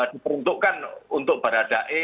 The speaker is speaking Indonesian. diperuntukkan untuk beradae